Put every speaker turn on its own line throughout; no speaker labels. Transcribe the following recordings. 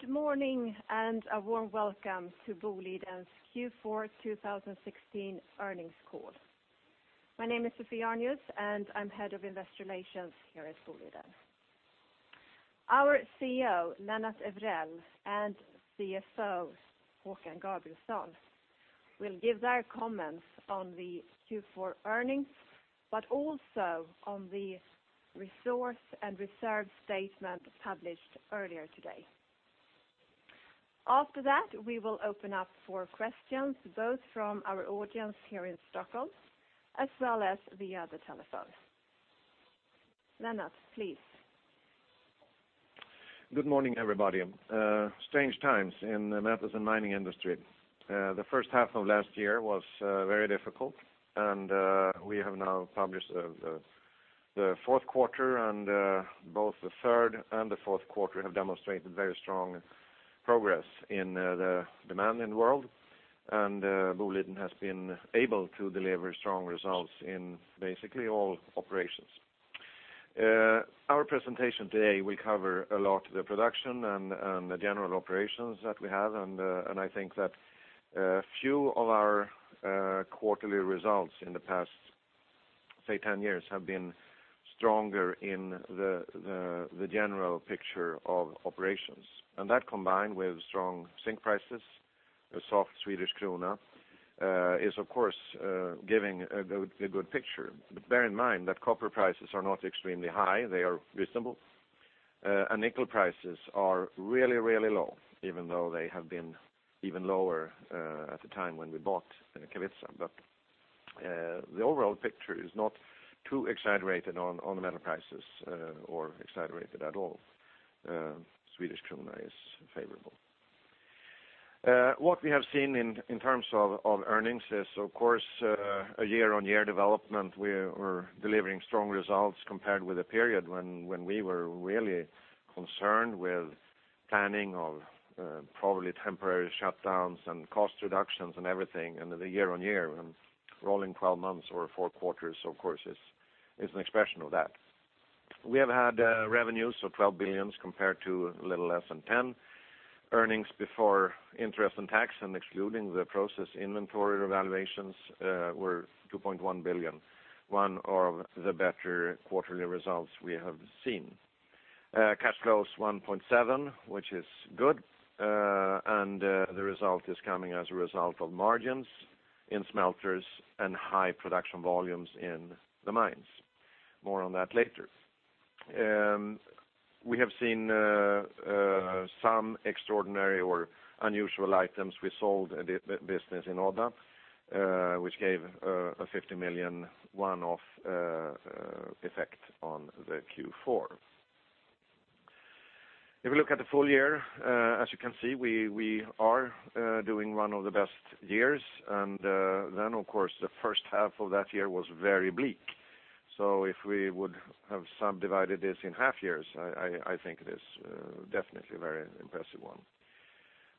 Good morning, and a warm welcome to Boliden's Q4 2016 earnings call. My name is Sophie Arnius, and I'm head of investor relations here at Boliden. Our CEO, Lennart Evrell, and CFO, Håkan Gabrielsson, will give their comments on the Q4 earnings. Also, on the resource and reserve statement published earlier today. After that, we will open up for questions, both from our audience here in Stockholm as well as via the telephone. Lennart, please.
Good morning, everybody. Strange times in the metals and mining industry. The first half of last year was very difficult. We have now published the fourth quarter. Both the third and the fourth quarter have demonstrated very strong progress in the demanding world. Boliden has been able to deliver strong results in basically all operations. Our presentation today will cover a lot the production and the general operations that we have, I think that few of our quarterly results in the past, say, 10 years have been stronger in the general picture of operations. That, combined with strong zinc prices, a soft Swedish krona, is of course giving a good picture. Bear in mind that copper prices are not extremely high. They are reasonable. Nickel prices are really low, even though they have been even lower at the time when we bought Kevitsa. The overall picture is not too exaggerated on the metal prices or exaggerated at all. Swedish krona is favorable. What we have seen in terms of earnings is, of course, a year-on-year development. We're delivering strong results compared with a period when we were really concerned with planning of probably temporary shutdowns and cost reductions and everything. The year-on-year and rolling 12 months or four quarters, of course, is an expression of that. We have had revenues of 12 billion compared to a little less than 10 billion. EBIT and excluding the process inventory revaluations were 2.1 billion, one of the better quarterly results we have seen. Cash flows 1.7 billion, which is good. The result is coming as a result of margins in smelters and high production volumes in the mines. More on that later. We have seen some extraordinary or unusual items. We sold a business in Odda, which gave a 50 million one-off effect on the Q4. If you look at the full year, as you can see, we are doing one of the best years. Of course, the first half of that year was very bleak. If we would have subdivided this in half years, I think it is definitely a very impressive one.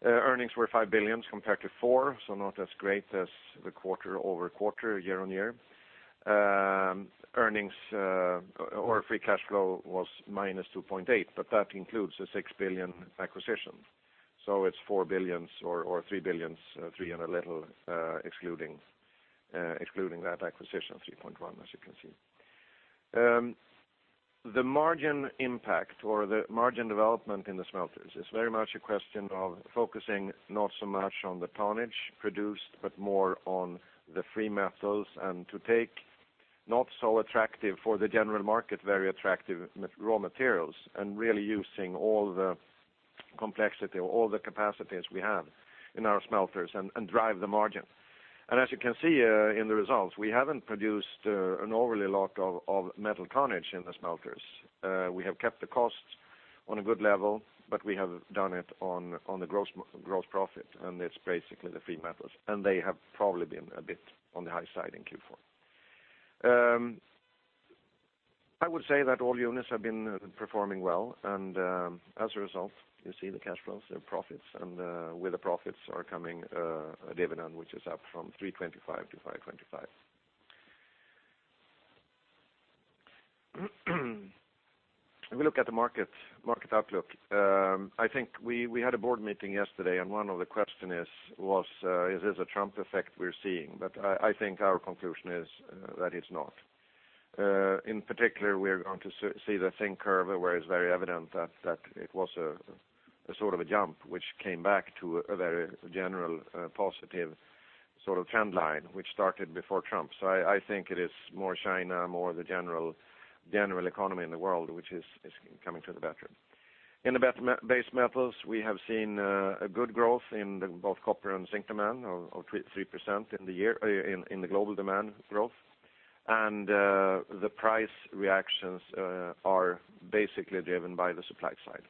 Earnings were 5 billion compared to 4 billion, so not as great as the quarter-over-quarter, year-on-year. Earnings or free cash flow was -2.8 billion. That includes a 6 billion acquisition. It's 4 billion or 3 billion, 3 billion and a little excluding that acquisition, 3.1 billion, as you can see. The margin impact or the margin development in the smelters is very much a question of focusing not so much on the tonnage produced, but more on the free metals and to take not so attractive for the general market, very attractive raw materials, really using all the complexity or all the capacities we have in our smelters and drive the margin. As you can see in the results, we haven't produced an overly lot of metal tonnage in the smelters. We have kept the costs on a good level, but we have done it on the gross profit, and it's basically the free metals. They have probably been a bit on the high side in Q4. I would say that all units have been performing well, as a result, you see the cash flows, the profits, and with the profits are coming a dividend which is up from 3.25 to 5.25. If we look at the market outlook, I think we had a board meeting yesterday, and one of the question was, is this a Trump effect we're seeing? I think our conclusion is that it's not. In particular, we're going to see the zinc curve where it's very evident that it was a sort of a jump which came back to a very general positive sort of trend line, which started before Trump. I think it is more China, more the general economy in the world, which is coming to the better. In the base metals, we have seen a good growth in both copper and zinc demand of 3% in the global demand growth. The price reactions are basically driven by the supply side.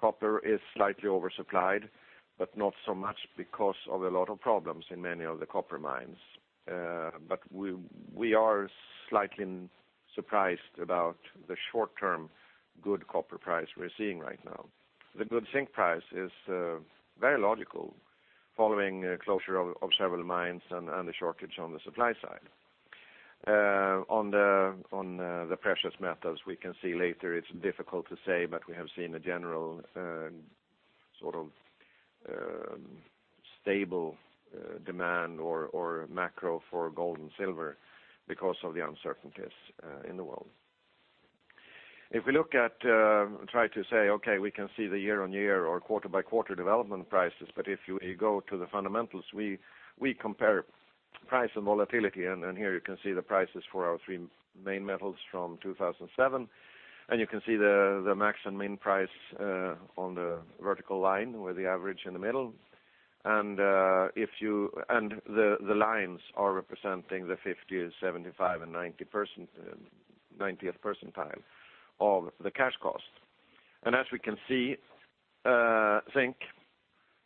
Copper is slightly oversupplied, but not so much because of a lot of problems in many of the copper mines. We are slightly surprised about the short term good copper price we're seeing right now. The good zinc price is very logical following closure of several mines and the shortage on the supply side. On the precious metals, we can see later it's difficult to say, but we have seen a general stable demand or macro for gold and silver because of the uncertainties in the world. If we look at, try to say, okay, we can see the year-on-year or quarter-by-quarter development prices, but if you go to the fundamentals, we compare price and volatility. Here you can see the prices for our three main metals from 2007, and you can see the max and min price on the vertical line with the average in the middle. The lines are representing the 50, 75, and 90th percentile of the cash cost. As we can see, zinc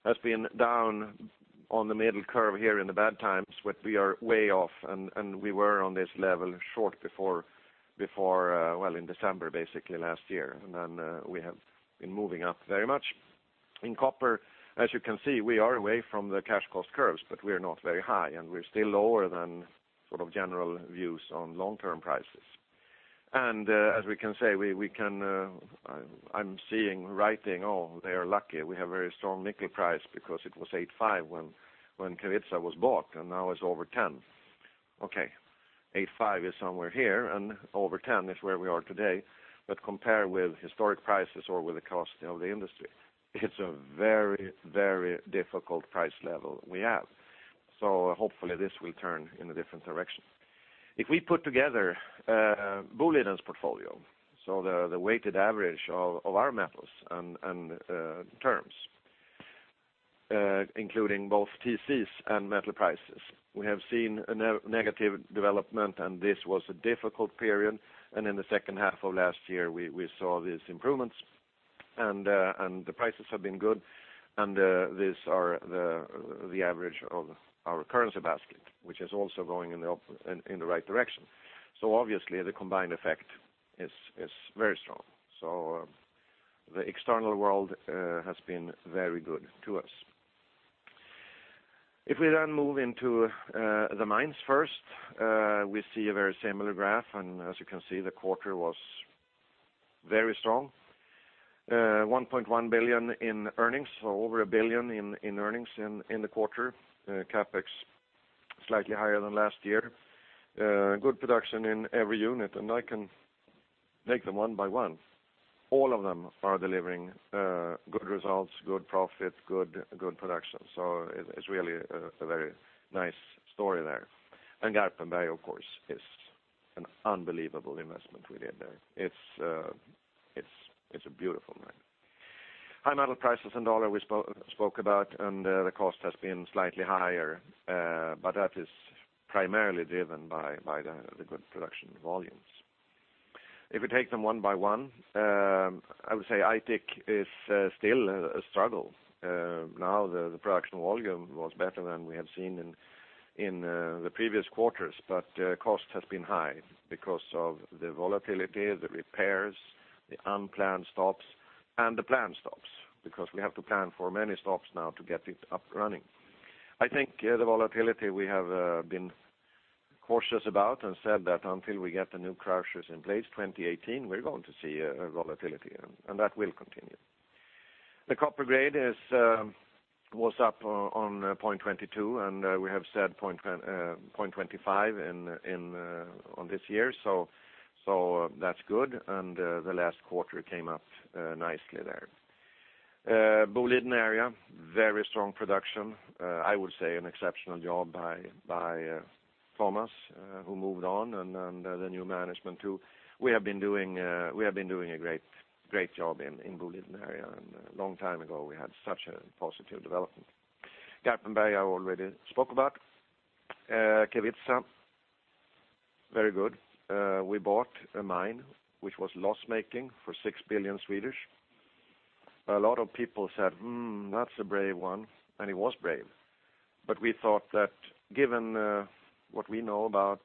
has been down on the middle curve here in the bad times, but we are way off, and we were on this level short before, well, in December, basically, last year. Then we have been moving up very much. In copper, as you can see, we are away from the cash cost curves, but we are not very high, we're still lower than general views on long-term prices. I am seeing writing, they are lucky. We have a very strong nickel price because it was $8.5 when Kevitsa was bought, now it's over $10. $8.5 is somewhere here, over $10 is where we are today. Compared with historic prices or with the cost of the industry, it's a very, very difficult price level we have. Hopefully this will turn in a different direction. If we put together Boliden's portfolio, the weighted average of our metals and terms including both TCs and metal prices. We have seen a negative development, this was a difficult period. In the second half of last year, we saw these improvements, the prices have been good. These are the average of our currency basket, which is also going in the right direction. Obviously, the combined effect is very strong. The external world has been very good to us. If we then move into the mines first, we see a very similar graph. As you can see, the quarter was very strong. 1.1 billion in earnings, over 1 billion in earnings in the quarter. CapEx slightly higher than last year. Good production in every unit, I can take them one by one. All of them are delivering good results, good profit, good production. It's really a very nice story there. Garpenberg, of course, is an unbelievable investment we did there. It's a beautiful mine. High metal prices and U.S. dollar we spoke about, the cost has been slightly higher, that is primarily driven by the good production volumes. If we take them one by one, I would say Aitik is still a struggle. The production volume was better than we have seen in the previous quarters, cost has been high because of the volatility, the repairs, the unplanned stops, the planned stops, because we have to plan for many stops now to get it up running. I think the volatility we have been cautious about and said that until we get the new crushers in place 2018, we're going to see a volatility, that will continue. The copper grade was up on 0.22, we have said 0.25 on this year, that's good. The last quarter came up nicely there. Boliden Area, very strong production. I would say an exceptional job by Thomas, who moved on, the new management too. We have been doing a great job in Boliden Area, a long time ago, we had such a positive development. Garpenberg I already spoke about. Kevitsa, very good. We bought a mine which was loss-making for 6 billion. A lot of people said, "That's a brave one." It was brave. We thought that given what we know about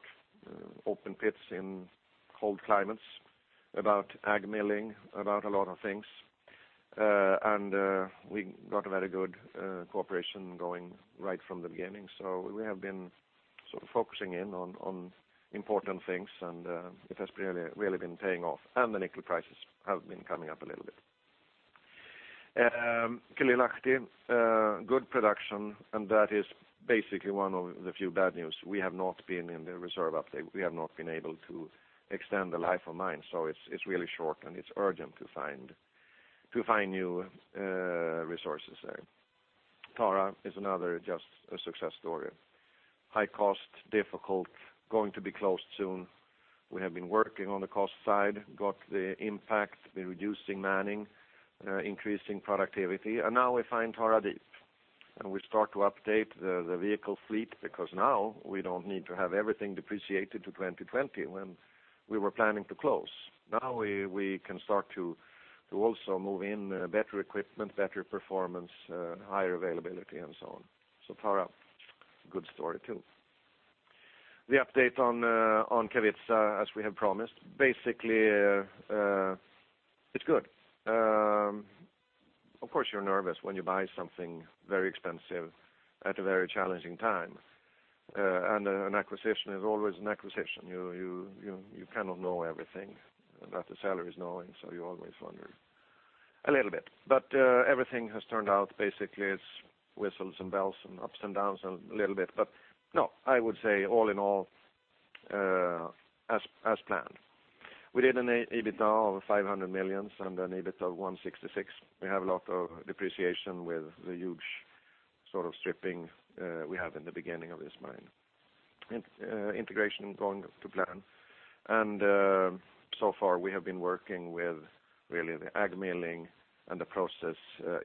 open pits in cold climates, about AG milling, about a lot of things, we got a very good cooperation going right from the beginning. We have been focusing in on important things, it has really been paying off, the nickel prices have been coming up a little bit. Kylylahti, good production, that is basically one of the few bad news. We have not been in the reserve uptake. We have not been able to extend the life of mine, so it's really short, and it's urgent to find new resources there. Tara is another just a success story. High cost, difficult, going to be closed soon. We have been working on the cost side, got the impact, the reducing manning, increasing productivity, and now we find Tara Deep. We start to update the vehicle fleet because now we don't need to have everything depreciated to 2020 when we were planning to close. Now we can start to also move in better equipment, better performance, higher availability, and so on. So Tara, good story too. The update on Kevitsa, as we have promised. Basically, it's good. Of course you're nervous when you buy something very expensive at a very challenging time. An acquisition is always an acquisition. You cannot know everything that the seller is knowing, so you always wonder a little bit. Everything has turned out. Basically, it's whistles and bells and ups and downs a little bit. No, I would say all in all, as planned. We did an EBITDA of 500 million and an EBITDA of 166 million. We have a lot of depreciation with the huge sort of stripping we have in the beginning of this mine. Integration going to plan. So far we have been working with really the AG milling and the process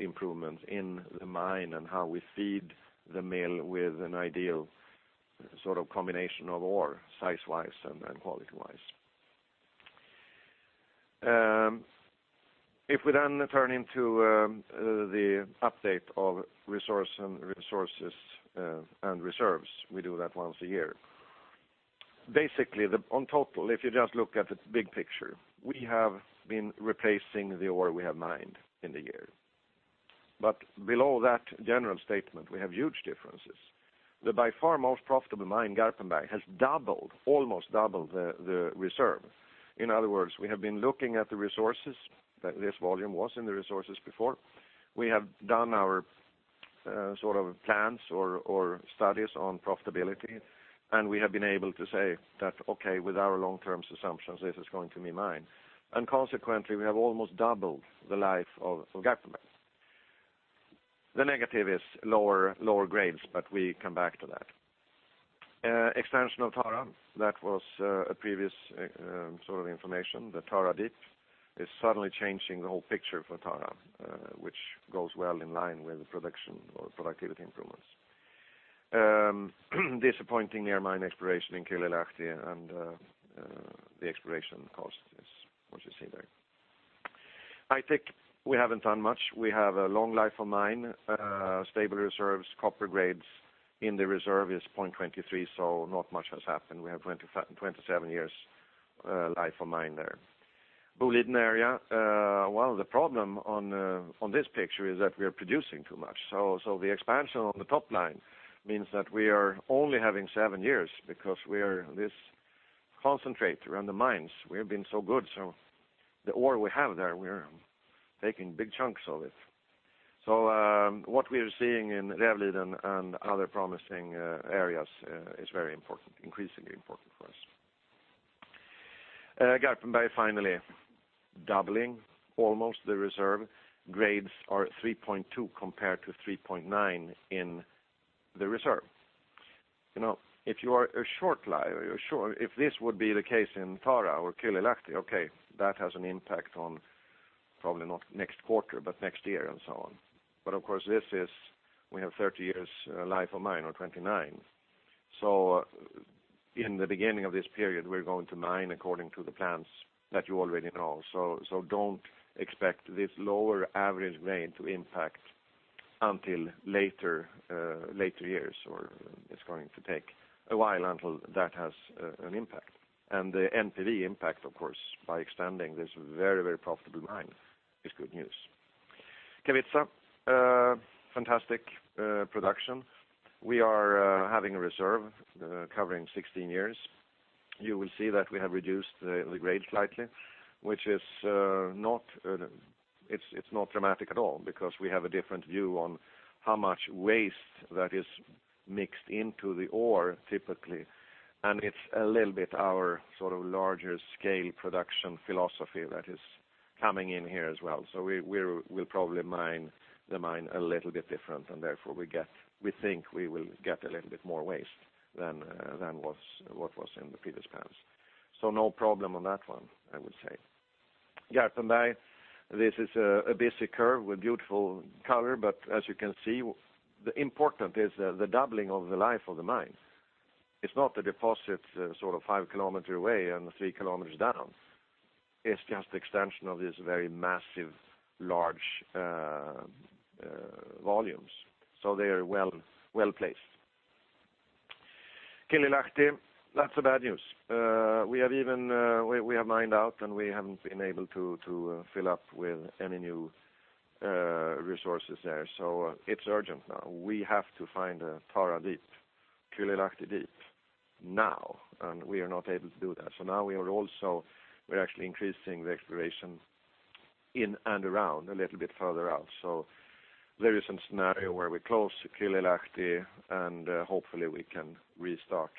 improvements in the mine, and how we feed the mill with an ideal sort of combination of ore size wise and quality wise. We then turn into the update of resource and reserves. We do that once a year. Basically, on total, if you just look at the big picture, we have been replacing the ore we have mined in the year. Below that general statement, we have huge differences. The by far most profitable mine, Garpenberg, has almost doubled the reserve. In other words, we have been looking at the resources that this volume was in the resources before. We have done our sort of plans or studies on profitability, and we have been able to say that, okay, with our long-term assumptions, this is going to be mined. Consequently, we have almost doubled the life of Garpenberg. The negative is lower grades. We come back to that. Extension of Tara, that was a previous sort of information. The Tara Deep is suddenly changing the whole picture for Tara, which goes well in line with the production or productivity improvements. Disappointing near mine exploration in Kylylahti. The exploration cost is what you see there. Aitik. We haven't done much. We have a long life of mine. Stable reserves, copper grades in the reserve is 0.23. Not much has happened. We have 27 years life of mine there. Boliden Area. The problem on this picture is that we are producing too much. The expansion on the top line means that we are only having seven years because we are this concentrate around the mines. We have been so good. The ore we have there, we're taking big chunks of it. What we are seeing in Revliden and other promising areas is very important, increasingly important for us. Garpenberg finally doubling almost the reserve. Grades are 3.2 compared to 3.9 in the reserve. If this would be the case in Tara or Kylylahti, okay, that has an impact on probably not next quarter, but next year and so on. Of course this is, we have 30 years life of mine or 29. In the beginning of this period, we're going to mine according to the plans that you already know. Don't expect this lower average grade to impact until later years, or it's going to take a while until that has an impact. The NPV impact, of course, by extending this very profitable mine is good news. Kevitsa. Fantastic production. We are having a reserve covering 16 years. You will see that we have reduced the grade slightly, which it's not dramatic at all because we have a different view on how much waste that is mixed into the ore typically. It's a little bit our sort of larger scale production philosophy that is coming in here as well. We'll probably mine the mine a little bit different, and therefore we think we will get a little bit more waste than what was in the previous plans. No problem on that one, I would say. Garpenberg. This is a busy curve with beautiful color, but as you can see, the important is the doubling of the life of the mine. It's not the deposit sort of 5 kilometer away and 3 kilometers down. It's just extension of this very massive, large volumes. They are well placed. Kylylahti. Lots of bad news. We have mined out, and we haven't been able to fill up with any new resources there. It's urgent now. We have to find a Tara Deep, Kylylahti Deep now, and we are not able to do that. Now we're actually increasing the exploration in and around a little bit further out. There is a scenario where we close Kylylahti, and hopefully we can restart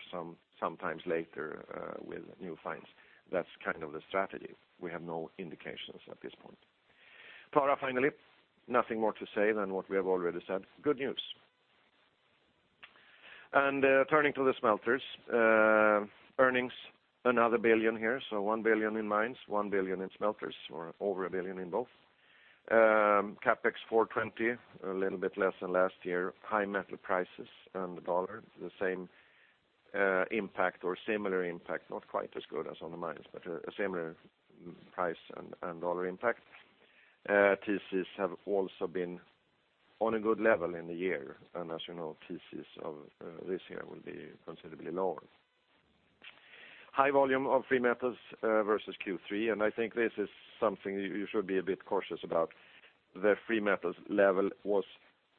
sometimes later with new finds. That's kind of the strategy. We have no indications at this point. Tara, finally. Nothing more to say than what we have already said. Good news. Turning to the smelters. Earnings, another billion here. 1 billion in mines, 1 billion in smelters, or over a billion in both. CapEx 420, a little bit less than last year. High metal prices and the dollar, the same impact or similar impact, not quite as good as on the mines, but a similar price and dollar impact. TCs have also been on a good level in the year. As you know, TCs of this year will be considerably lower. High volume of free metals versus Q3, and I think this is something you should be a bit cautious about. The free metals level was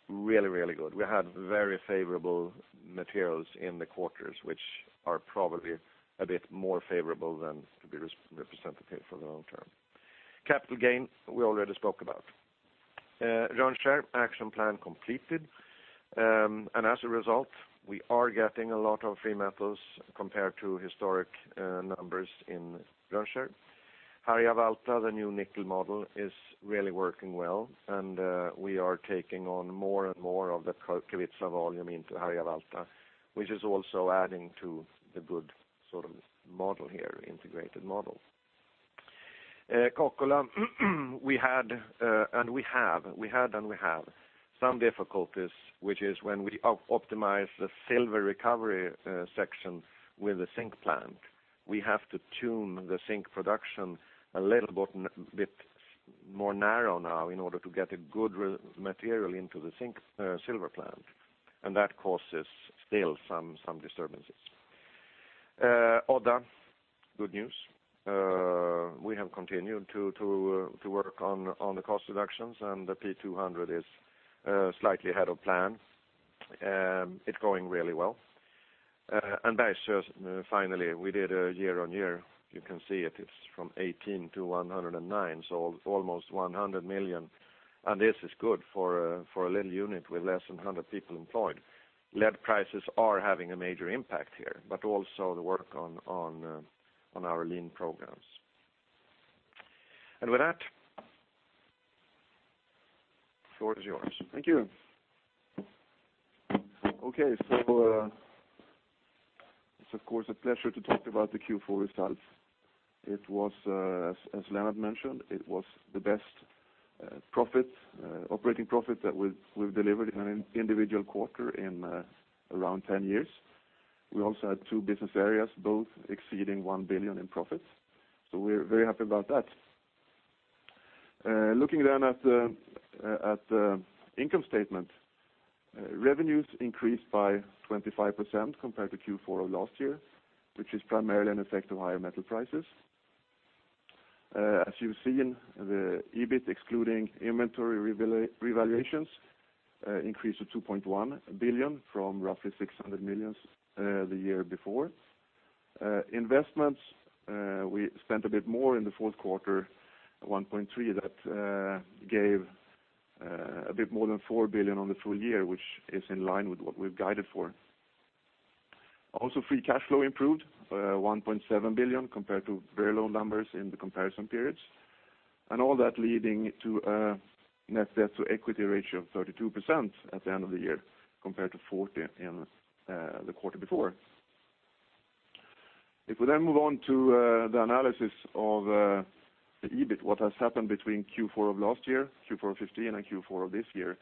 really, really good. We had very favorable materials in the quarters, which are probably a bit more favorable than to be representative for the long term. Capital gain, we already spoke about. Rönnskär action plan completed, and as a result, we are getting a lot of free metals compared to historic numbers in Rönnskär. Harjavalta, the new nickel model is really working well, and we are taking on more and more of the Kevitsa volume into Harjavalta, which is also adding to the good integrated model. Kokkola, we had and we have some difficulties, which is when we optimize the silver recovery section with the zinc plant, we have to tune the zinc production a little bit more narrow now in order to get a good material into the silver plant. That causes still some disturbances. Odda, good news. We have continued to work on the cost reductions, and the P200 is slightly ahead of plan. It's going really well. Bergsöe, finally, we did a year-on-year. You can see it. It's from 18 to 109, so almost 100 million. This is good for a little unit with less than 100 people employed. Lead prices are having a major impact here. Also the work on our lean programs. With that, floor is yours.
Thank you. Okay. It's of course, a pleasure to talk about the Q4 results. As Lennart mentioned, it was the best operating profit that we've delivered in an individual quarter in around 10 years. We also had two business areas, both exceeding 1 billion in profits. We're very happy about that. Looking at the income statement, revenues increased by 25% compared to Q4 of last year, which is primarily an effect of higher metal prices. As you see in the EBIT, excluding inventory revaluations, increase of 2.1 billion from roughly 600 million the year before. Investments, we spent a bit more in the fourth quarter, 1.3 billion that gave a bit more than 4 billion on the full year, which is in line with what we've guided for. Also, free cash flow improved, 1.7 billion compared to very low numbers in the comparison periods. All that leading to a net debt to equity ratio of 32% at the end of the year, compared to 40% in the quarter before. If we move on to the analysis of the EBIT, what has happened between Q4 of last year, Q4 2015, and Q4 of this year,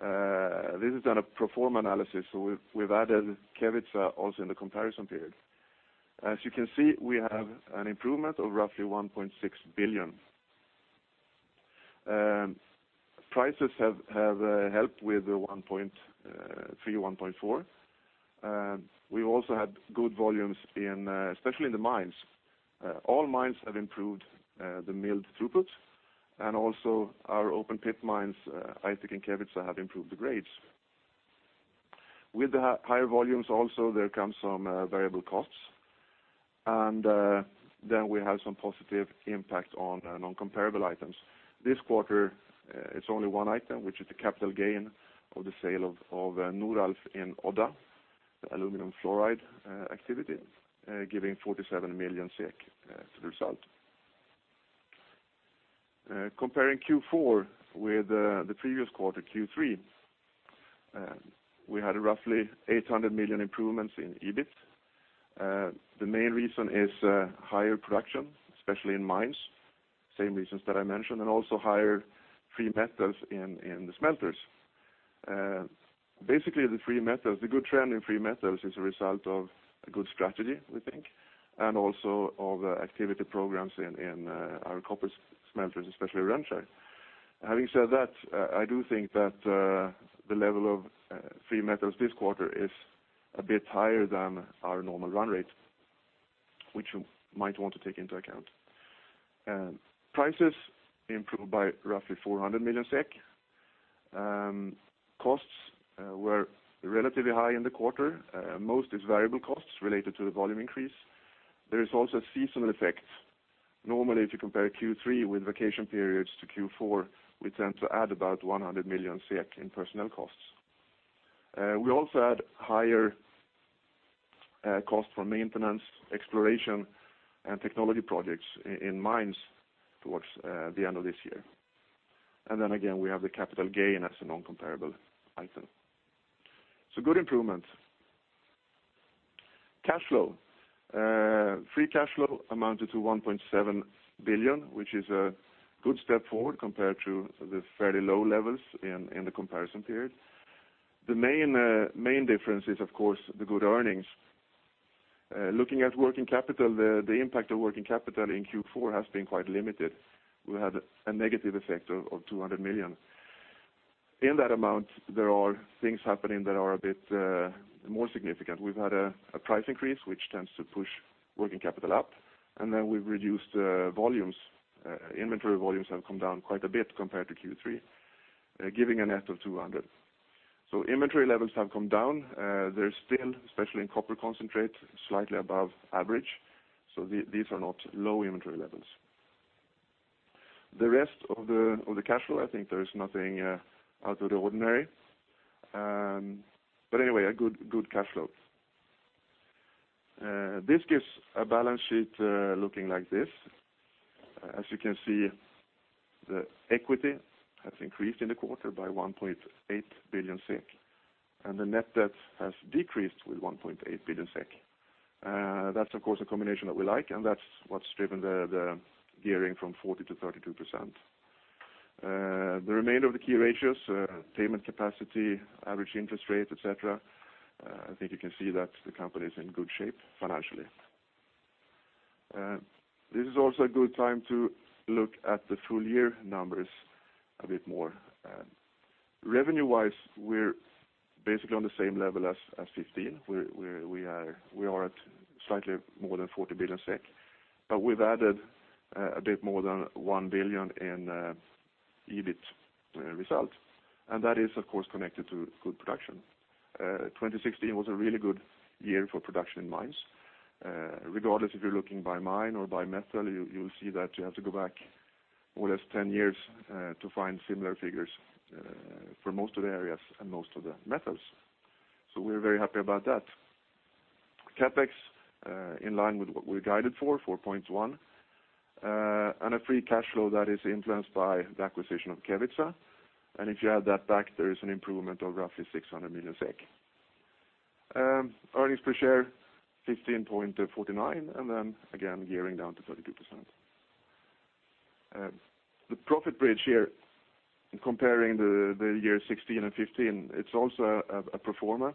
this is on a pro forma analysis. We've added Kevitsa also in the comparison period. As you can see, we have an improvement of roughly 1.6 billion. Prices have helped with 1.3 billion, 1.4 billion. We also had good volumes, especially in the mines. All mines have improved the milled throughput. Also our open pit mines, Aitik and Kevitsa, have improved the grades. With the higher volumes also, there comes some variable costs. Then we have some positive impact on non-comparable items. This quarter, it's only one item, which is the capital gain of the sale of Noralf in Odda, the aluminum fluoride activity, giving SEK 47 million to the result. Comparing Q4 with the previous quarter, Q3, we had roughly 800 million improvements in EBIT. The main reason is higher production, especially in mines, same reasons that I mentioned. Also higher free metals in the smelters. Basically, the good trend in free metals is a result of a good strategy, we think. Also of activity programs in our copper smelters, especially Rönnskär. Having said that, I do think that the level of free metals this quarter is a bit higher than our normal run rate, which you might want to take into account. Prices improved by roughly 400 million SEK. Costs were relatively high in the quarter. Most is variable costs related to the volume increase. There is also a seasonal effect. Normally, if you compare Q3 with vacation periods to Q4, we tend to add about 100 million SEK in personnel costs. We also had higher cost for maintenance, exploration, and technology projects in mines towards the end of this year. Then again, we have the capital gain as a non-comparable item. Good improvement. Cash flow. Free cash flow amounted to 1.7 billion, which is a good step forward compared to the fairly low levels in the comparison period. The main difference is, of course, the good earnings. Looking at working capital, the impact of working capital in Q4 has been quite limited. We had a negative effect of 200 million. In that amount, there are things happening that are a bit more significant. We've had a price increase, which tends to push working capital up, then we've reduced volumes. Inventory volumes have come down quite a bit compared to Q3, giving a net of 200. Inventory levels have come down. They're still, especially in copper concentrate, slightly above average. These are not low inventory levels. The rest of the cash flow, I think there is nothing out of the ordinary. Anyway, a good cash flow. This gives a balance sheet looking like this. As you can see, the equity has increased in the quarter by 1.8 billion SEK, and the net debt has decreased with 1.8 billion SEK. That's, of course, a combination that we like, and that's what's driven the gearing from 40% to 32%. The remainder of the key ratios, payment capacity, average interest rate, et cetera, I think you can see that the company is in good shape financially. This is also a good time to look at the full year numbers a bit more. Revenue-wise, we're basically on the same level as 2015, where we are at slightly more than 40 billion SEK, but we've added a bit more than 1 billion in EBIT result, and that is, of course, connected to good production. 2016 was a really good year for production in mines. Regardless if you're looking by mine or by metal, you'll see that you have to go back more or less 10 years to find similar figures for most of the areas and most of the metals. We're very happy about that. CapEx, in line with what we guided for, 4.1 billion, and a free cash flow that is influenced by the acquisition of Kevitsa. If you add that back, there is an improvement of roughly 600 million SEK. Earnings per share, 15.49, then again, gearing down to 32%. The profit bridge here, comparing the year 2016 and 2015, it's also a pro forma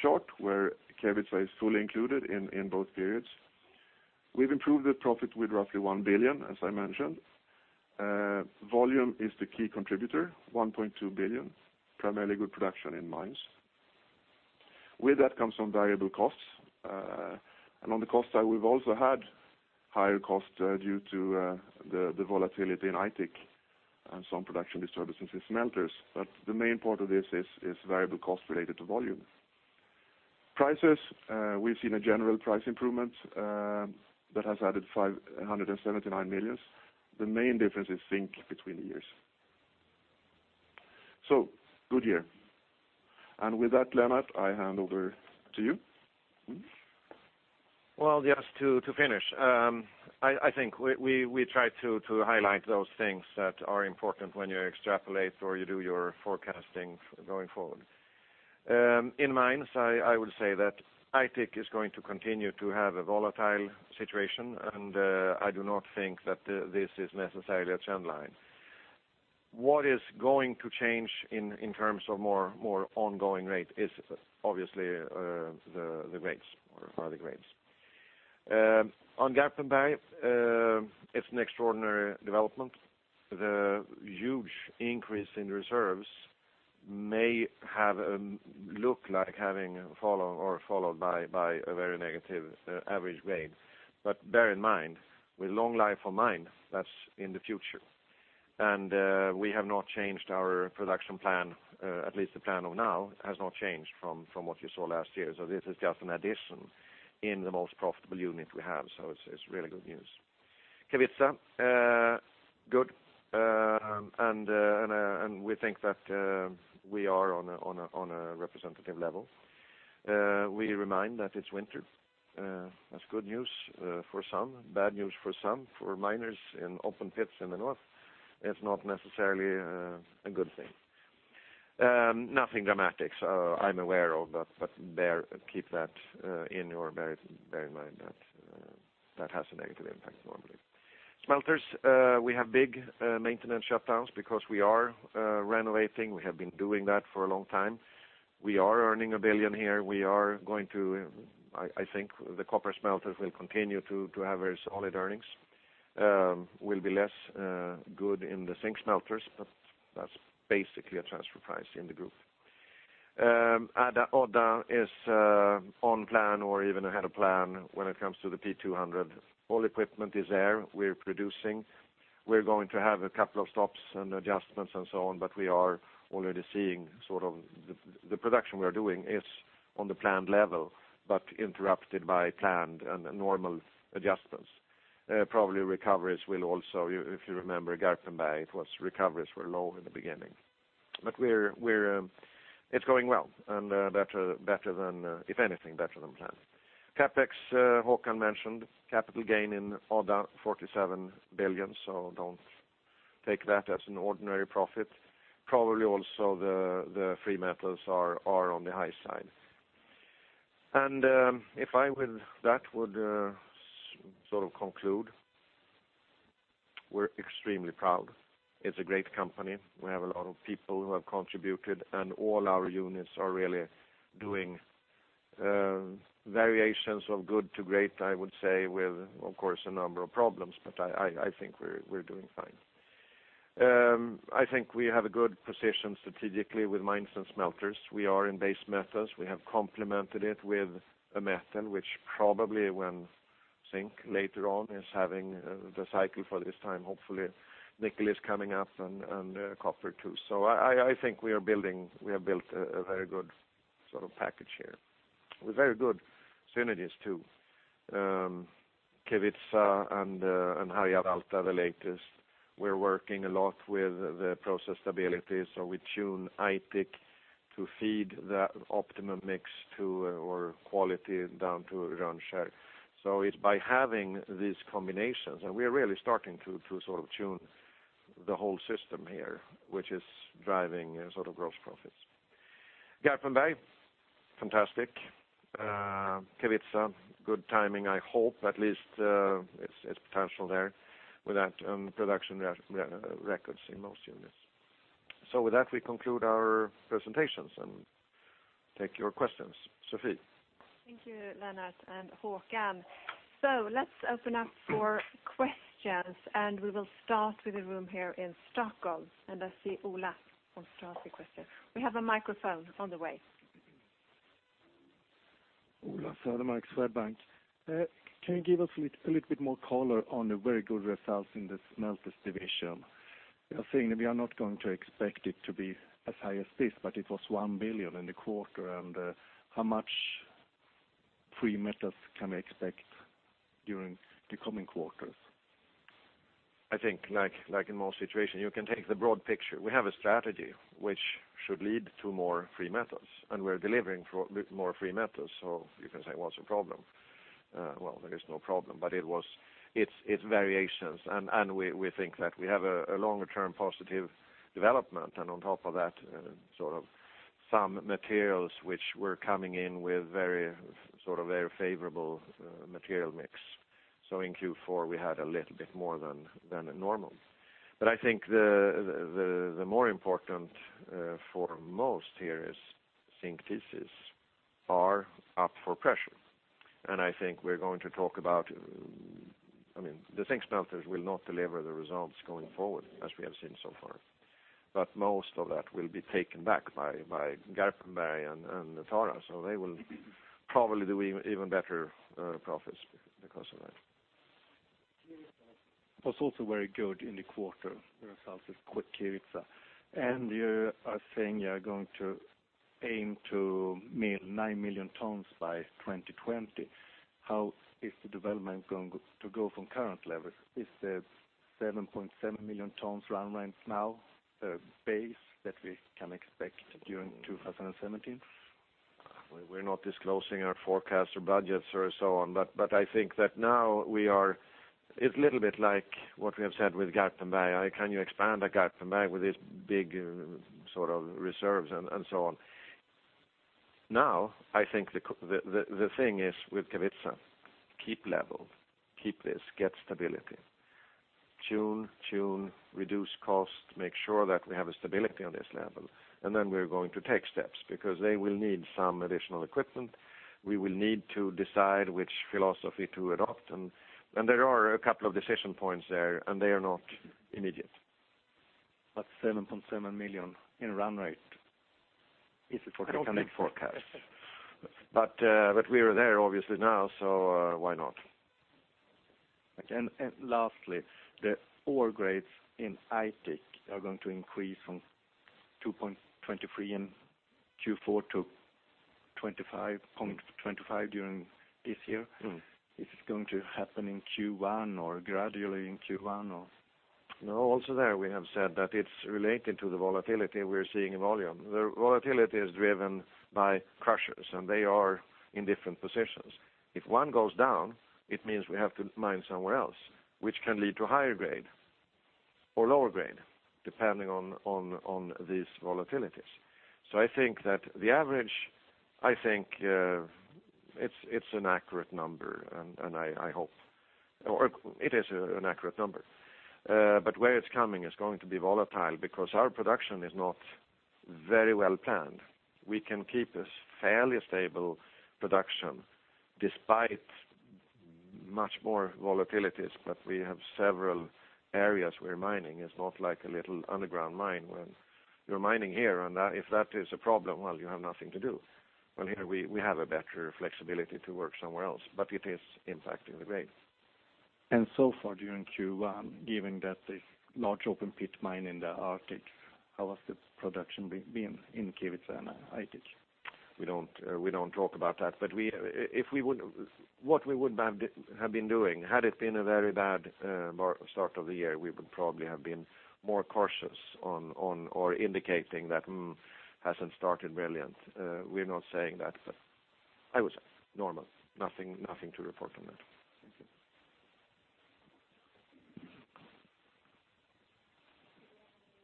chart where Kevitsa is fully included in both periods. We've improved the profit with roughly 1 billion, as I mentioned. Volume is the key contributor, 1.2 billion, primarily good production in mines. With that comes some variable costs. On the cost side, we've also had higher costs due to the volatility in Aitik and some production disturbances in smelters. The main part of this is variable costs related to volume. Prices, we've seen a general price improvement that has added 579 million. The main difference is zinc between the years. Good year. With that, Lennart, I hand over to you.
Well, just to finish, I think we try to highlight those things that are important when you extrapolate or you do your forecasting going forward. In mines, I would say that Aitik is going to continue to have a volatile situation, and I do not think that this is necessarily a trend line. What is going to change in terms of more ongoing rate is obviously the grades or the grades. On Garpenberg, it's an extraordinary development. The huge increase in reserves may look like having followed by a very negative average grade. Bear in mind, with long life of mine, that's in the future. We have not changed our production plan, at least the plan of now has not changed from what you saw last year. This is just an addition in the most profitable unit we have, so it's really good news. Kevitsa, good, and we think that we are on a representative level. We remind that it's winter. That's good news for some, bad news for some. For miners in open pits in the north, it's not necessarily a good thing. Nothing dramatic I'm aware of, but keep that in your bear in mind that has a negative impact normally. Smelters, we have big maintenance shutdowns because we are renovating. We have been doing that for a long time. We are earning 1 billion here. I think the copper smelters will continue to have very solid earnings. Will be less good in the zinc smelters, but that's basically a transfer price in the group. Odda is on plan or even ahead of plan when it comes to the P200. All equipment is there. We're producing. We're going to have a couple of stops and adjustments and so on, but we are already seeing the production we are doing is on the planned level, but interrupted by planned and normal adjustments. Probably recoveries will also, if you remember Garpenberg, recoveries were low in the beginning. It's going well, and if anything, better than planned. CapEx, Håkan mentioned, capital gain in Odda, 47 billion, so don't take that as an ordinary profit. Probably also the free metals are on the high side. With that would sort of conclude. We're extremely proud. It's a great company. We have a lot of people who have contributed, and all our units are really doing Variations of good to great, I would say, with, of course, a number of problems, but I think we're doing fine. I think we have a good position strategically with mines and smelters. We are in base metals. We have complemented it with a metal, which probably when zinc later on is having the cycle for this time, hopefully nickel is coming up and copper, too. I think we have built a very good package here with very good synergies, too. Kevitsa and Harjavalta, the latest, we're working a lot with the process stability, so we tune Aitik to feed the optimum mix to our quality down to right range. It's by having these combinations, and we are really starting to tune the whole system here, which is driving gross profits. Garpenberg, fantastic. Kevitsa, good timing, I hope, at least, it's potential there with that production records in most units. With that, we conclude our presentations and take your questions. Sophie?
Thank you, Lennart and Håkan. Let's open up for questions. We will start with the room here in Stockholm. I see Ola wants to ask a question. We have a microphone on the way.
Ola Södermark, Swedbank. Can you give us a little bit more color on the very good results in the smelters division? You are saying that we are not going to expect it to be as high as this, but it was 1 billion in the quarter. How much free metals can we expect during the coming quarters?
I think like in most situations, you can take the broad picture. We have a strategy which should lead to more free metals. We're delivering more free metals. You can say, what's the problem? There is no problem, it's variations. We think that we have a longer-term positive development, on top of that, some materials which were coming in with very favorable material mix. In Q4, we had a little bit more than normal. I think the more important for most here is zinc TCs are up for pressure. I think we're going to talk about the zinc smelters will not deliver the results going forward as we have seen so far. Most of that will be taken back by Garpenberg and Tara. They will probably do even better profits because of that.
What's also very good in the quarter results is Kevitsa. You are saying you are going to aim to mill 9 million tons by 2020. How is the development going to go from current levels? Is the 7.7 million tons run rate now base that we can expect during 2017?
We're not disclosing our forecast or budgets or so on. I think that now it's a little bit like what we have said with Garpenberg. Can you expand Garpenberg with these big reserves and so on? Now, I think the thing is with Kevitsa, keep level, keep this, get stability. Tune, reduce cost, make sure that we have a stability on this level. Then we're going to take steps because they will need some additional equipment. We will need to decide which philosophy to adopt. There are a couple of decision points there, and they are not immediate.
7.7 million in run rate, is it for-
I don't make forecasts. We are there obviously now, so why not?
Lastly, the ore grades in Aitik are going to increase from 2.23 in Q4 to 25.25 during this year. Is this going to happen in Q1 or gradually in Q1, or?
No, also there we have said that it's related to the volatility we're seeing in volume. The volatility is driven by crushers, and they are in different positions. If one goes down, it means we have to mine somewhere else, which can lead to higher grade or lower grade, depending on these volatilities. I think that the average, I think it's an accurate number, and I hope. It is an accurate number. Where it's coming is going to be volatile because our production is not very well planned. We can keep a fairly stable production despite much more volatilities, but we have several areas we're mining. It's not like a little underground mine when you're mining here, and if that is a problem, well, you have nothing to do. Well, here we have a better flexibility to work somewhere else, but it is impacting the grade.
So far during Q1, given that the large open pit mine in the Arctic, how has this production been in Kevitsa and Aitik?
We don't talk about that. What we would have been doing, had it been a very bad start of the year, we would probably have been more cautious or indicating that hasn't started brilliant. We're not saying that, but I would say normal. Nothing to report on that.
Thank you.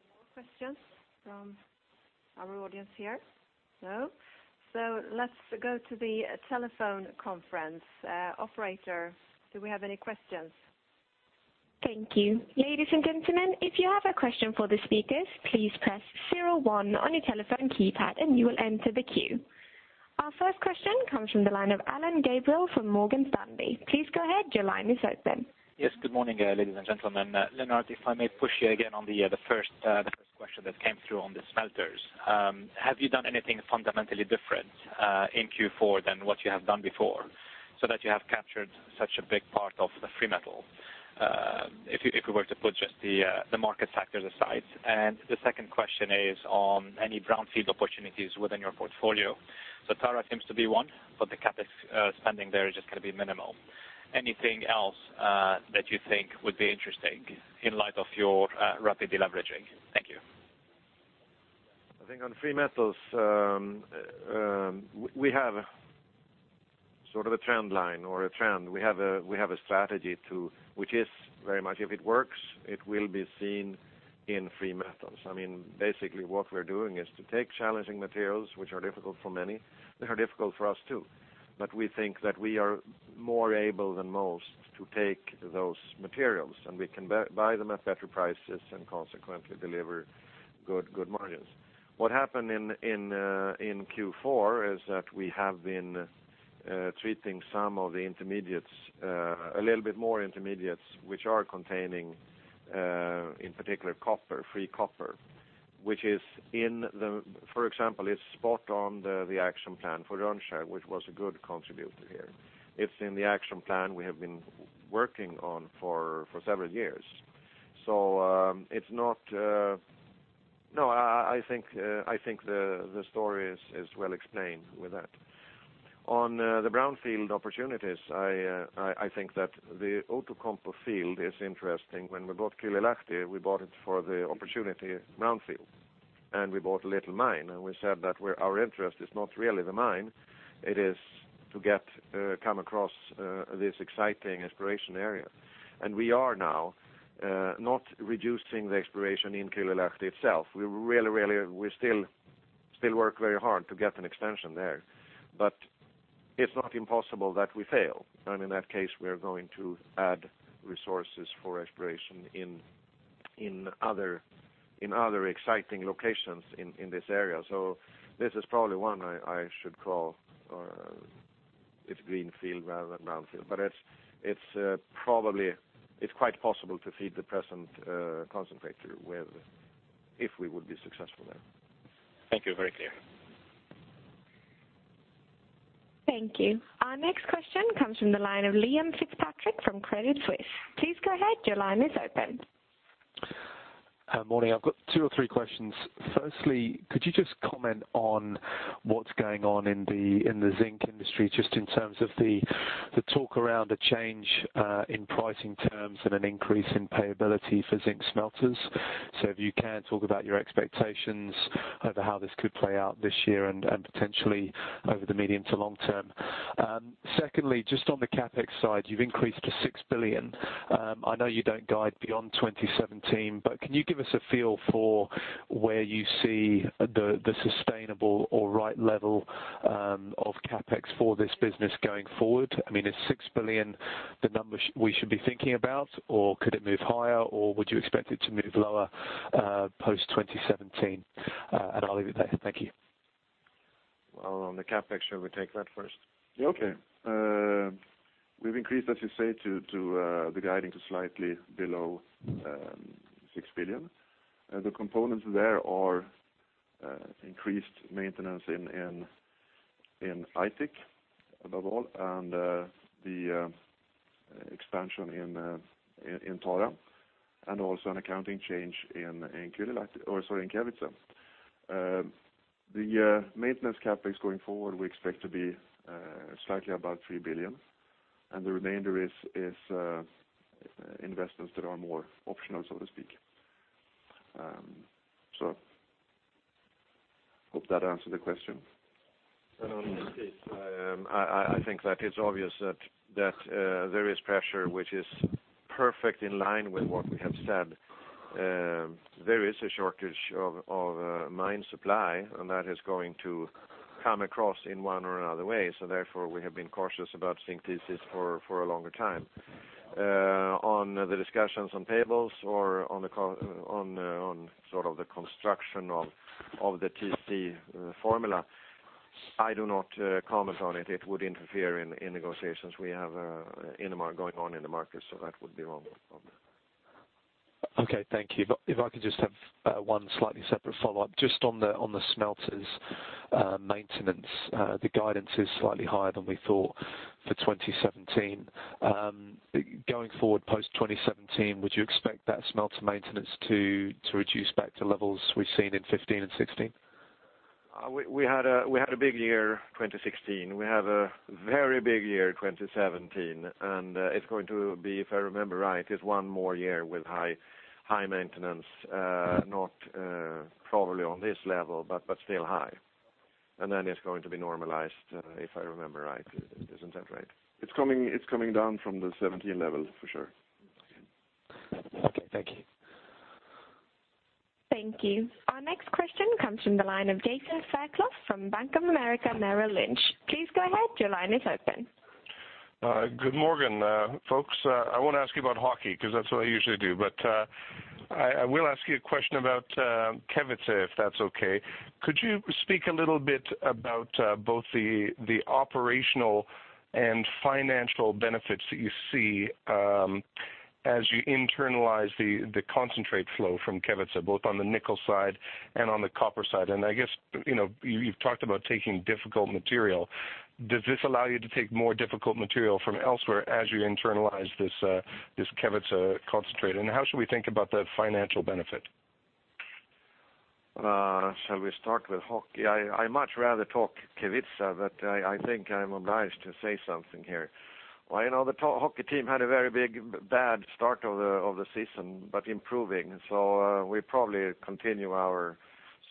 Any more questions from our audience here? No. Let's go to the telephone conference. Operator, do we have any questions?
Thank you. Ladies and gentlemen, if you have a question for the speakers, please press 01 on your telephone keypad and you will enter the queue. Our first question comes from the line of Alain Gabriel from Morgan Stanley. Please go ahead. Your line is open.
Yes. Good morning, ladies and gentlemen. Lennart, if I may push you again on the first question that came through on the smelters. Have you done anything fundamentally different in Q4 than what you have done before so that you have captured such a big part of the free metal, if we were to put just the market factors aside? The second question is on any brownfield opportunities within your portfolio. Tara seems to be one, but the CapEx spending there is just going to be minimal. Anything else that you think would be interesting in light of your rapid deleveraging? Thank you.
I think on free metals, we have sort of a trend line or a trend. We have a strategy, which is very much if it works, it will be seen in free metals. Basically what we're doing is to take challenging materials which are difficult for many. They are difficult for us too. We think that we are more able than most to take those materials, and we can buy them at better prices and consequently deliver good margins. What happened in Q4 is that we have been treating some of the intermediates, a little bit more intermediates, which are containing, in particular copper, free copper. For example, it's spot on the action plan for which was a good contributor here. It's in the action plan we have been working on for several years. I think the story is well explained with that. On the brownfield opportunities, I think that the Outokumpu field is interesting. When we bought Kylylahti, we bought it for the opportunity brownfield. We bought a little mine, and we said that our interest is not really the mine, it is to come across this exciting exploration area. We are now not reducing the exploration in Kylylahti itself. We still work very hard to get an extension there, but it's not impossible that we fail. In that case, we are going to add resources for exploration in other exciting locations in this area. This is probably one I should call, it's greenfield rather than brownfield, but it's quite possible to feed the present concentrator if we would be successful there.
Thank you. Very clear.
Thank you. Our next question comes from the line of Liam Fitzpatrick from Credit Suisse. Please go ahead. Your line is open.
Morning. I've got two or three questions. Firstly, could you just comment on what's going on in the zinc industry, just in terms of the talk around a change in pricing terms and an increase in payability for zinc smelters? Talk about your expectations over how this could play out this year and potentially over the medium to long term. Secondly, just on the CapEx side, you've increased to 6 billion. I know you don't guide beyond 2017, can you give us a feel for where you see the sustainable or right level of CapEx for this business going forward? Is 6 billion the number we should be thinking about, or could it move higher, or would you expect it to move lower post-2017? I'll leave it there. Thank you.
Well, on the CapEx, should we take that first?
Okay. We've increased, as you say, the guiding to slightly below 6 billion. The components there are increased maintenance in Aitik above all, the expansion in Tara and also an accounting change in Kevitsa. The maintenance CapEx going forward, we expect to be slightly above 3 billion, the remainder is investments that are more optional, so to speak. Hope that answered the question.
On the space, I think that it's obvious that there is pressure which is perfect in line with what we have said. There is a shortage of mine supply, that is going to come across in one or another way. Therefore, we have been cautious about zinc thesis for a longer time. On the discussions on payables or on sort of the construction of the TC formula, I do not comment on it. It would interfere in negotiations. We have a lot more going on in the market, that would be wrong of me.
Okay. Thank you. If I could just have one slightly separate follow-up, just on the smelters maintenance. The guidance is slightly higher than we thought for 2017. Going forward post-2017, would you expect that smelter maintenance to reduce back to levels we've seen in 2015 and 2016?
We had a big year 2016. We have a very big year 2017. It's going to be, if I remember right, is one more year with high maintenance. Not probably on this level, but still high. Then it's going to be normalized, if I remember right. Isn't that right?
It's coming down from the 2017 level, for sure.
Okay. Thank you.
Thank you. Our next question comes from the line of Jason Fairclough from Bank of America Merrill Lynch. Please go ahead. Your line is open.
Good morning, folks. I won't ask you about hockey because that's what I usually do, but I will ask you a question about Kevitsa, if that's okay. Could you speak a little bit about both the operational and financial benefits that you see as you internalize the concentrate flow from Kevitsa, both on the nickel side and on the copper side? I guess you've talked about taking difficult material. Does this allow you to take more difficult material from elsewhere as you internalize this Kevitsa concentrate? How should we think about the financial benefit?
Shall we start with hockey? I much rather talk Kevitsa, I think I'm obliged to say something here. Well, the hockey team had a very big, bad start of the season, but improving. We probably continue our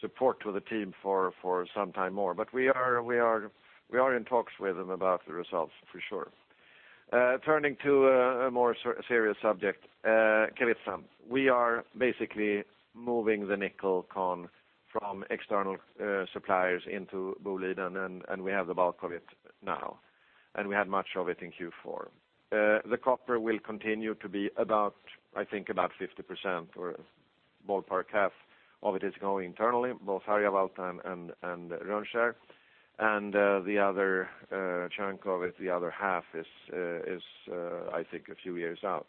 support to the team for some time more. We are in talks with them about the results, for sure. Turning to a more serious subject, Kevitsa. We are basically moving the nickel con from external suppliers into Boliden, and we have the bulk of it now, and we had much of it in Q4. The copper will continue to be about, I think about 50% or ballpark half of it is going internally, both Harjavalta and Rönnskär. The other chunk of it, the other half is I think a few years out.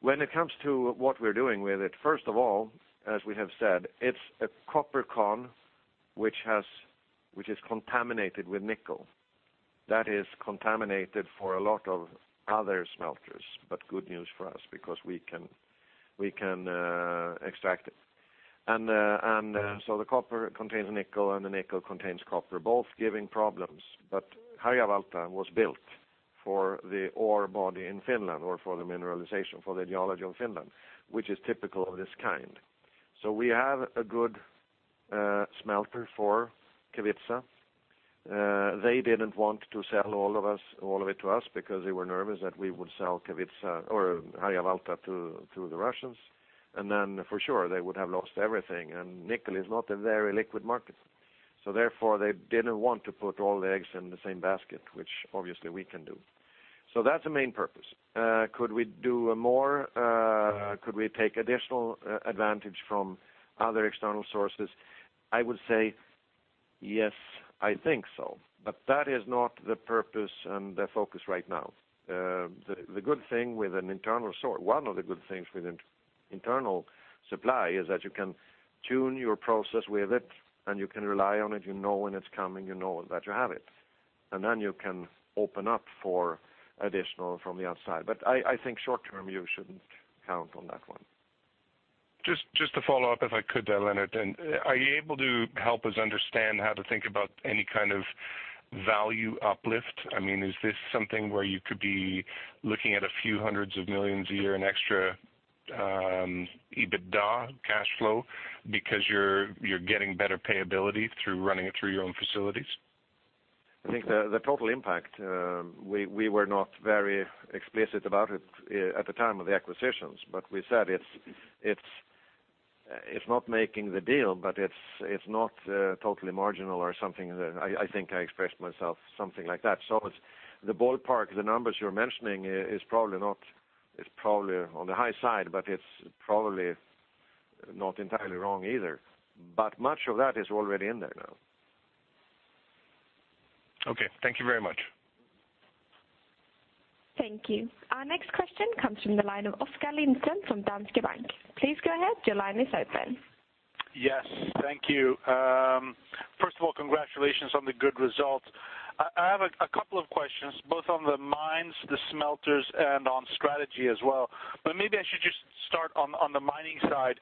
When it comes to what we're doing with it, first of all, as we have said, it's a copper con, which is contaminated with nickel. That is contaminated for a lot of other smelters, but good news for us because we can extract it. The copper contains nickel, and the nickel contains copper, both giving problems. Harjavalta was built for the ore body in Finland or for the mineralization, for the geology of Finland, which is typical of this kind. We have a good smelter for Kevitsa. They didn't want to sell all of it to us because they were nervous that we would sell Harjavalta to the Russians, and then for sure they would have lost everything, and nickel is not a very liquid market. Therefore, they didn't want to put all the eggs in the same basket, which obviously we can do. That's the main purpose. Could we do more? Could we take additional advantage from other external sources? I would say yes, I think so, that is not the purpose and the focus right now. One of the good things with an internal supply is that you can tune your process with it, and you can rely on it. You know when it's coming, you know that you have it. Then you can open up for additional from the outside. I think short term, you shouldn't count on that one.
Just to follow up, if I could there, Lennart. Are you able to help us understand how to think about any kind of value uplift? Is this something where you could be looking at a few hundreds of millions a year in extra EBITDA cash flow because you're getting better payability through running it through your own facilities?
I think the total impact, we were not very explicit about it at the time of the acquisitions, we said it's not making the deal, it's not totally marginal or something. I think I expressed myself something like that. The ballpark, the numbers you're mentioning is probably on the high side, it's probably not entirely wrong either. Much of that is already in there now.
Okay. Thank you very much.
Thank you. Our next question comes from the line of Oskar Lindström from Danske Bank. Please go ahead. Your line is open.
Yes. Thank you. First of all, congratulations on the good results. I have a couple of questions, both on the mines, the smelters, and on strategy as well. Maybe I should just start on the mining side.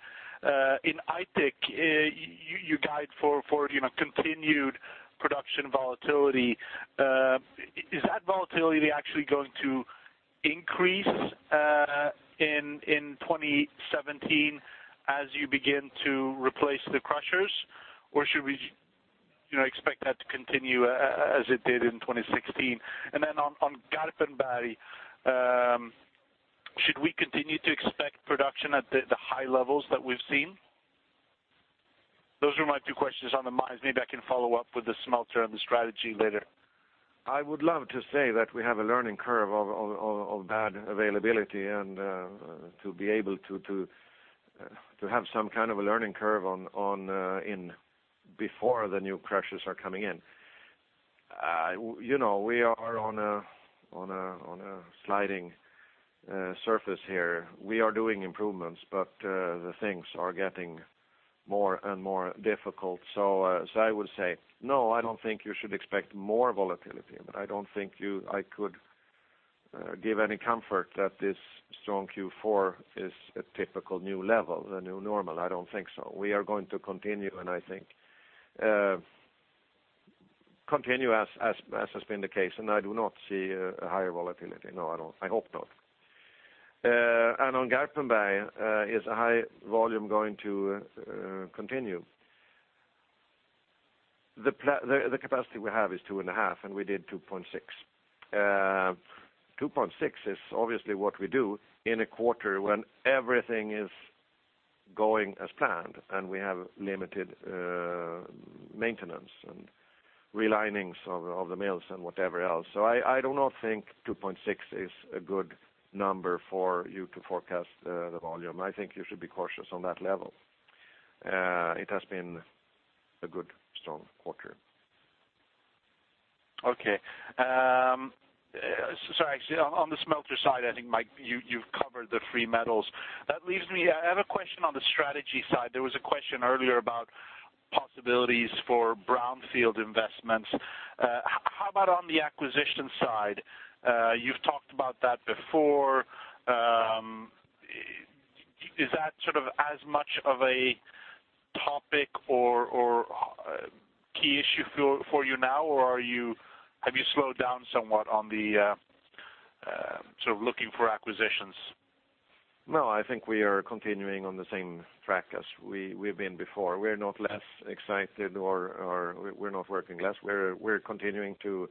In Aitik, you guide for continued production volatility. Is that volatility actually going to increase in 2017 as you begin to replace the crushers, or should we expect that to continue as it did in 2016? On Garpenberg, should we continue to expect production at the high levels that we've seen? Those are my two questions on the mines. Maybe I can follow up with the smelter and the strategy later.
I would love to say that we have a learning curve of bad availability and to be able to have some kind of a learning curve before the new crushers are coming in. We are on a sliding surface here. We are doing improvements, but the things are getting more and more difficult. I would say, no, I don't think you should expect more volatility, but I don't think I could give any comfort that this strong Q4 is a typical new level, the new normal. I don't think so. We are going to continue, and I think continue as has been the case, and I do not see a higher volatility. No, I don't. I hope not. On Garpenberg, is the high volume going to continue? The capacity we have is two and a half, and we did 2.6. 2.6 is obviously what we do in a quarter when everything is going as planned and we have limited maintenance and relinings of the mills and whatever else. I do not think 2.6 is a good number for you to forecast the volume. I think you should be cautious on that level. It has been a good, strong quarter.
Okay. Sorry, on the smelter side, I think, Mike, you've covered the three metals. I have a question on the strategy side. There was a question earlier about possibilities for brownfield investments. How about on the acquisition side? You've talked about that before. Is that as much of a topic or key issue for you now, or have you slowed down somewhat on the looking for acquisitions?
I think we are continuing on the same track as we've been before. We're not less excited or we're not working less. We're continuing to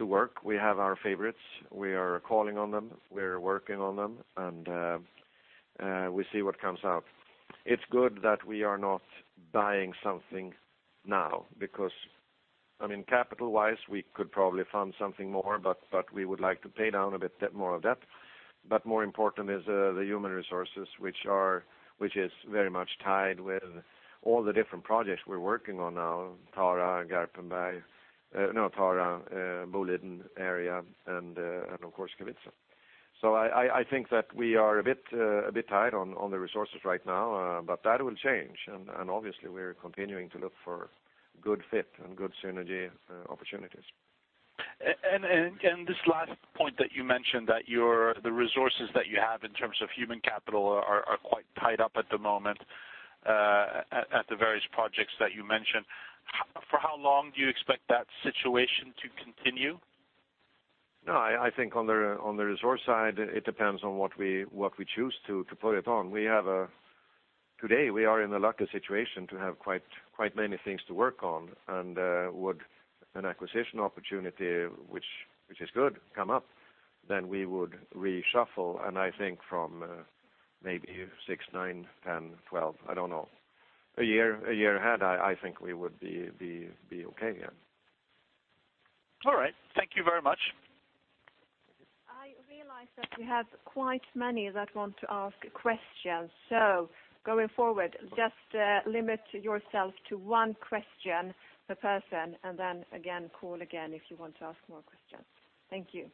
work. We have our favorites. We are calling on them. We're working on them, we see what comes out. It's good that we are not buying something now because, capital-wise, we could probably fund something more, we would like to pay down a bit more of debt. More important is the human resources, which is very much tied with all the different projects we're working on now, Tara, Garpenberg, Boliden area, and of course, Kevitsa. I think that we are a bit tied on the resources right now, that will change. Obviously, we're continuing to look for good fit and good synergy opportunities.
This last point that you mentioned, that the resources that you have in terms of human capital are quite tied up at the moment at the various projects that you mentioned. For how long do you expect that situation to continue?
I think on the resource side, it depends on what we choose to put it on. Today we are in a lucky situation to have quite many things to work on, would an acquisition opportunity, which is good, come up, we would reshuffle, I think from maybe six, nine, 10, 12, I don't know, a year ahead, I think we would be okay again.
All right. Thank you very much.
I realize that we have quite many that want to ask questions. Going forward, just limit yourself to one question per person, and then again, call again if you want to ask more questions. Thank you.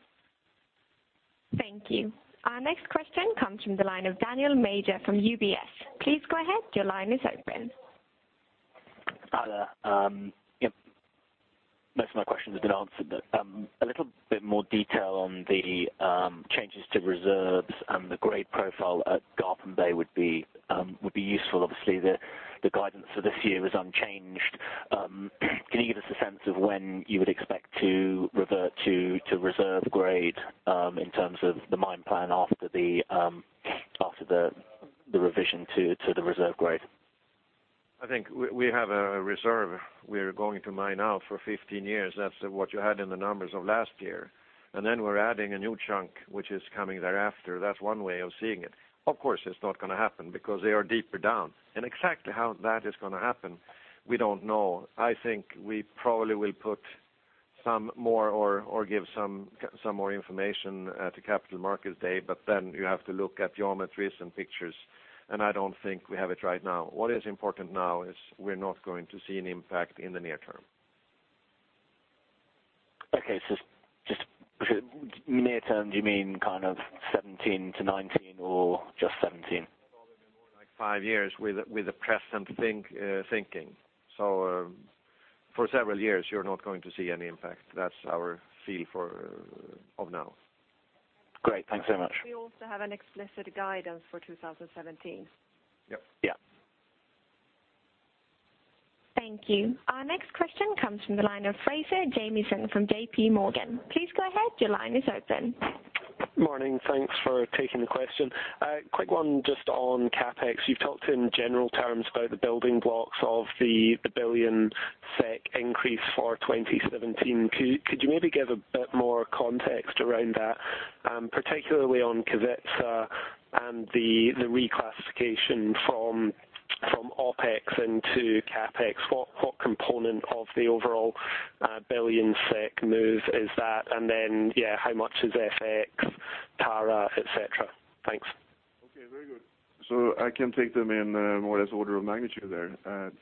Thank you. Our next question comes from the line of Daniel Major from UBS. Please go ahead. Your line is open.
Hi there. Most of my questions have been answered, a little bit more detail on the changes to reserves and the grade profile at Garpenberg would be useful. Obviously, the guidance for this year was unchanged. Can you give us a sense of when you would expect to revert to reserve grade in terms of the mine plan after the revision to the reserve grade?
I think we have a reserve we're going to mine out for 15 years. That's what you had in the numbers of last year. We're adding a new chunk, which is coming thereafter. That's one way of seeing it. Of course, it's not going to happen because they are deeper down. Exactly how that is going to happen, we don't know. I think we probably will put some more or give some more information at the Capital Markets Day, you have to look at geometries and pictures, and I don't think we have it right now. What is important now is we're not going to see an impact in the near term.
Okay. Just near term, do you mean 2017 to 2019 or just 2017?
More like five years with the present thinking. For several years, you're not going to see any impact. That's our feel for of now.
Great. Thanks so much.
We also have an explicit guidance for 2017.
Yep.
Yeah.
Thank you. Our next question comes from the line of James Fraser from JP Morgan. Please go ahead. Your line is open.
Morning. Thanks for taking the question. A quick one just on CapEx. You've talked in general terms about the building blocks of the 1 billion SEK increase for 2017. Could you maybe give a bit more context around that, particularly on Kevitsa and the reclassification from OpEx into CapEx? What component of the overall 1 billion SEK move is that? How much is FX, Tara, et cetera? Thanks.
Okay, very good. I can take them in more or less order of magnitude there.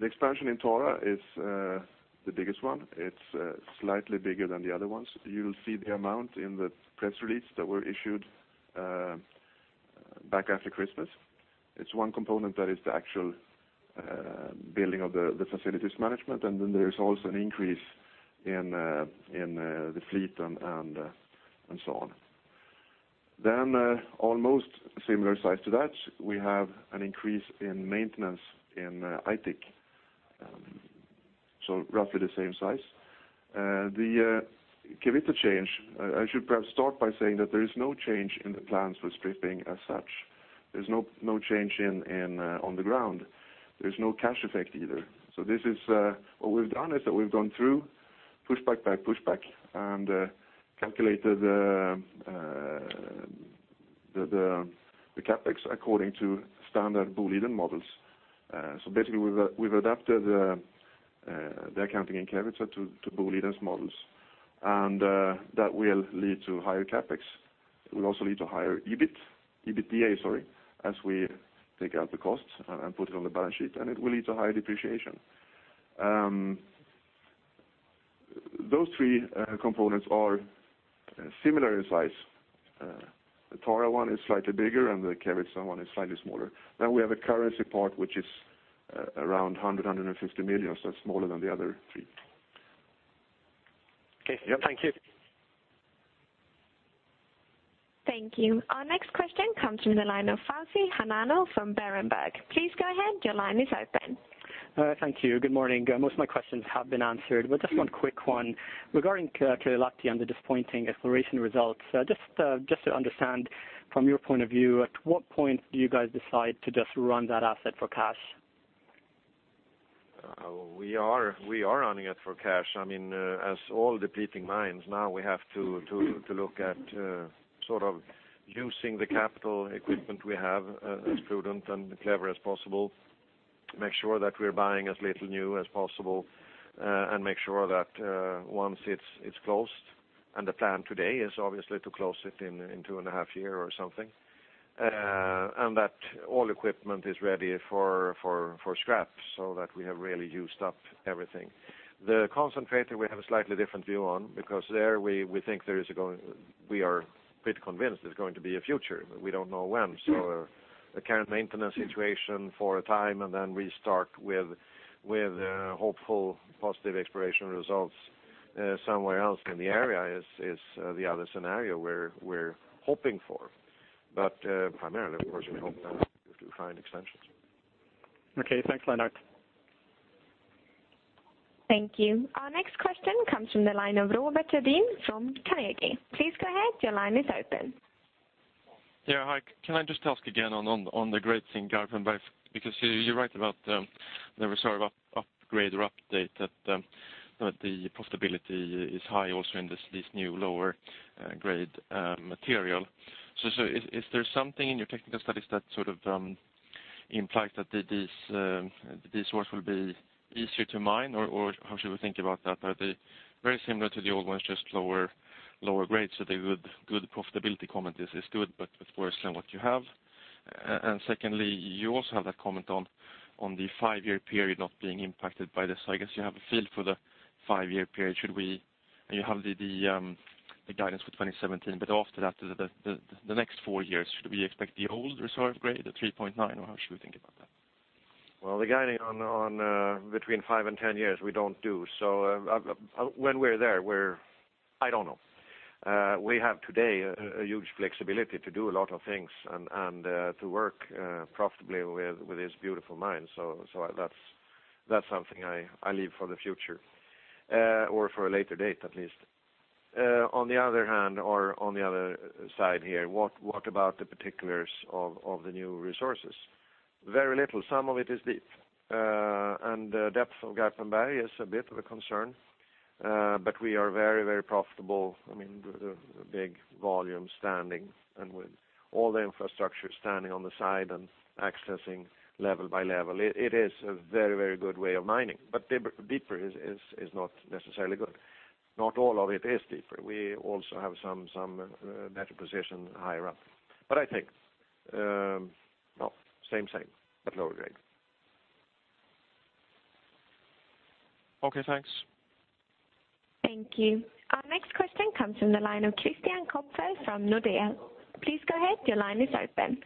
The expansion in Tara is the biggest one. It's slightly bigger than the other ones. You'll see the amount in the press release that were issued back after Christmas. It's one component that is the actual building of the facilities management, there's also an increase in the fleet and so on. Almost similar size to that, we have an increase in maintenance in Aitik. Roughly the same size. The Kevitsa change, I should perhaps start by saying that there is no change in the plans for stripping as such. There's no change on the ground. There's no cash effect either. What we've done is that we've gone through pushback and calculated the CapEx according to standard Boliden models. Basically we've adapted the accounting in Kevitsa to Boliden's models, and that will lead to higher CapEx. It will also lead to higher EBIT, EBITDA, sorry, as we take out the costs and put it on the balance sheet, and it will lead to higher depreciation. Those three components are similar in size. The Tara one is slightly bigger, and the Kevitsa one is slightly smaller. We have a currency part, which is around 100 million-150 million. That's smaller than the other three.
Okay. Yeah, thank you.
Thank you. Our next question comes from the line of Fawzi Hanano from Berenberg. Please go ahead. Your line is open.
Thank you. Good morning. Most of my questions have been answered, but just one quick one. Regarding Kirunavaara and the disappointing exploration results, just to understand from your point of view, at what point do you guys decide to just run that asset for cash?
We are running it for cash. As all depleting mines, now we have to look at sort of using the capital equipment we have as prudent and clever as possible to make sure that we're buying as little new as possible, and make sure that once it's closed, and the plan today is obviously to close it in 2.5 year or something, and that all equipment is ready for scrap so that we have really used up everything. The concentrator we have a slightly different view on because there we are bit convinced there's going to be a future, but we don't know when. The current maintenance situation for a time and then restart with hopeful, positive exploration results somewhere else in the area is the other scenario we're hoping for. Primarily, of course, we hope to find extensions.
Okay, thanks, Lennart.
Thank you. Our next question comes from the line of Robert Jadin from Keefe, Bruyette & Woods. Please go ahead. Your line is open.
Yeah. Hi. Can I just ask again on the grades in Garpenberg? You write about the reserve upgrade or update that the profitability is high also in this new lower grade material. Is there something in your technical studies that sort of implies that these source will be easier to mine? Or how should we think about that? Are they very similar to the old ones, just lower grades, so the good profitability comment is good, but worse than what you have? Secondly, you also have that comment on the five-year period not being impacted by this. I guess you have a feel for the five-year period. You have the guidance for 2017, but after that, the next four years, should we expect the old reserve grade, the 3.9, or how should we think about that?
Well, the guiding between five and 10 years, we don't do. When we're there, I don't know. We have today a huge flexibility to do a lot of things and to work profitably with this beautiful mine. That's something I leave for the future, or for a later date, at least. On the other hand, or on the other side here, what about the particulars of the new resources? Very little. Some of it is deep. Depth of Garpenberg is a bit of a concern, but we are very profitable. With a big volume standing and with all the infrastructure standing on the side and accessing level by level, it is a very good way of mining. Deeper is not necessarily good. Not all of it is deeper. We also have some better position higher up. I think, same thing, but lower grade.
Okay, thanks.
Thank you. Our next question comes from the line of Christian Kopfer from Nordea. Please go ahead. Your line is open.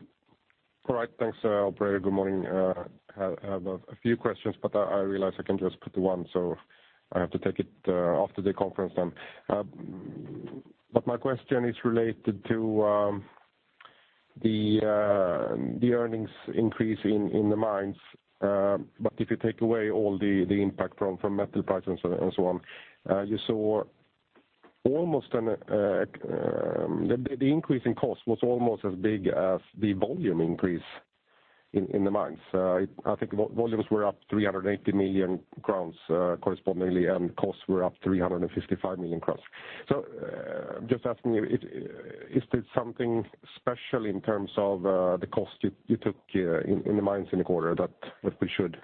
All right. Thanks, operator. Good morning. I have a few questions, I realize I can just put one, I have to take it after the conference then. My question is related to the earnings increase in the mines. If you take away all the impact from metal prices and so on, the increase in cost was almost as big as the volume increase in the mines. I think volumes were up 380 million crowns correspondingly, and costs were up 355 million crowns. Just asking you, is there something special in terms of the cost you took in the mines in the quarter that we should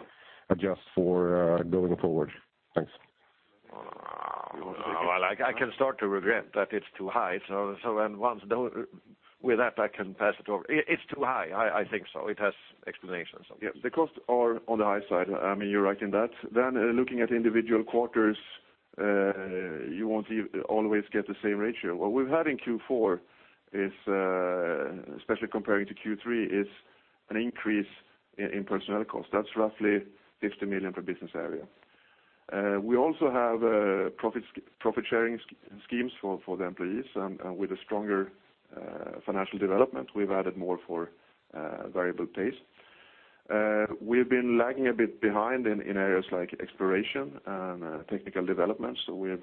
adjust for going forward? Thanks.
I can start to regret that it's too high. With that, I can pass it over. It's too high. I think so. It has explanations.
The costs are on the high side. You're right in that. Looking at individual quarters, you won't always get the same ratio. What we've had in Q4, especially comparing to Q3, is an increase in personnel costs. That's roughly 50 million per business area. We also have profit sharing schemes for the employees, and with a stronger financial development, we've added more for variable pays.
We've been lagging a bit behind in areas like exploration and technical development, we have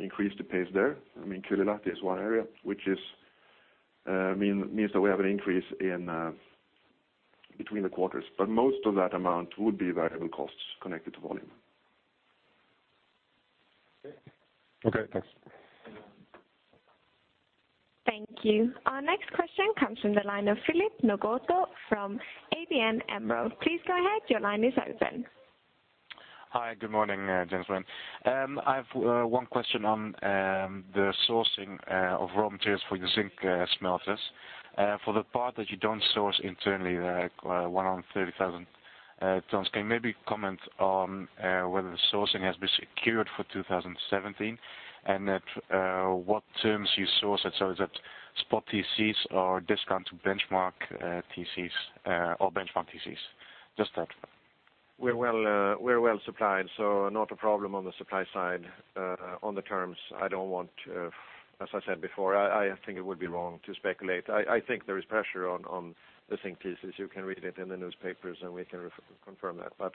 increased the pace there. Kylylahti is one area, which means that we have an increase between the quarters. Most of that amount would be variable costs connected to volume.
Thanks.
Thank you. Our next question comes from the line of Philip Ngotho from ABN AMRO. Please go ahead. Your line is open.
Hi, good morning, gentlemen. I've one question on the sourcing of raw materials for your zinc smelters. For the part that you don't source internally, like 130,000 tons, can you maybe comment on whether the sourcing has been secured for 2017, and at what terms you source it? Is it spot TCs or discount to benchmark TCs, or benchmark TCs? Just that.
We're well supplied, so not a problem on the supply side. On the terms, as I said before, I think it would be wrong to speculate. I think there is pressure on the zinc TCs. You can read it in the newspapers, and we can confirm that.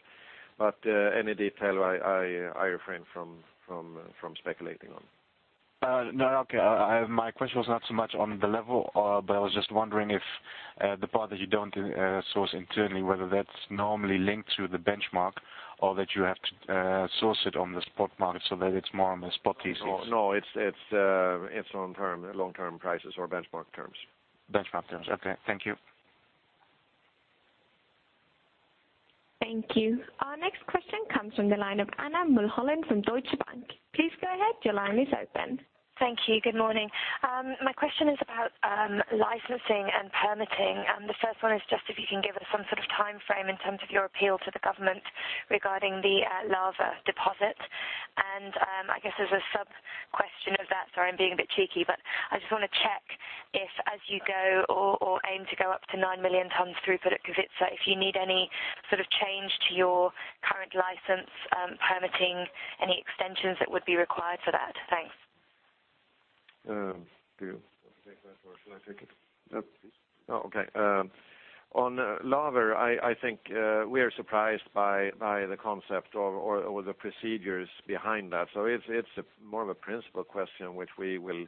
Any detail, I refrain from speculating on.
No, okay. My question was not so much on the level, but I was just wondering if the part that you don't source internally, whether that's normally linked to the benchmark or that you have to source it on the spot market so that it's more on the spot TCs.
It's on long-term prices or benchmark terms.
Benchmark terms. Okay. Thank you.
Thank you. Our next question comes from the line of Anna Mulholland from Deutsche Bank. Please go ahead. Your line is open.
Thank you. Good morning. My question is about licensing and permitting. The first one is just if you can give us some sort of timeframe in terms of your appeal to the government regarding the Laver deposit. I guess as a sub-question of that, sorry, I'm being a bit cheeky, but I just want to check if as you go or aim to go up to 9 million tons through Pit Kevitsa, if you need any sort of change to your current license permitting, any extensions that would be required for that. Thanks.
Do you want to take that or shall I take it? Oh, okay. On Laver, I think we are surprised by the concept or the procedures behind that. It is more of a principle question which we will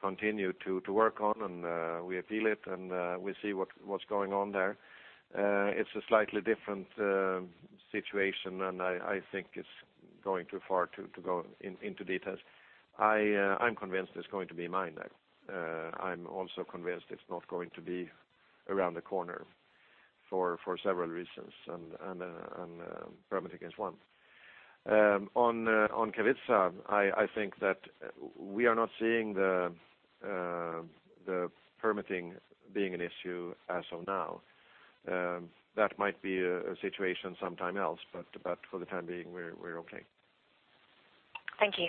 continue to work on, and we appeal it, and we see what is going on there. It is a slightly different situation, and I think it is going too far to go into details. I am convinced it is going to be mined. I am also convinced it is not going to be around the corner for several reasons, and permitting is one. On Kevitsa, I think that we are not seeing the permitting being an issue as of now. That might be a situation sometime else, but for the time being, we are okay.
Thank you.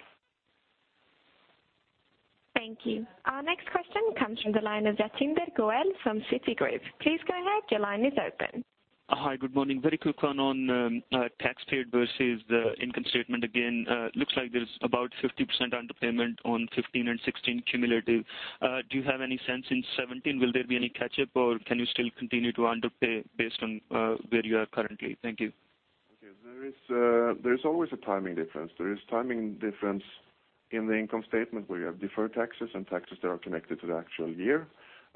Thank you. Our next question comes from the line of Jatinder Goel from Citigroup. Please go ahead. Your line is open.
Hi, good morning. Very quick one on tax paid versus the income statement. Again, looks like there is about 50% underpayment on 2015 and 2016 cumulative. Do you have any sense in 2017? Will there be any catch-up, or can you still continue to underpay based on where you are currently? Thank you.
Okay. There is always a timing difference. There is timing difference in the income statement where you have deferred taxes and taxes that are connected to the actual year,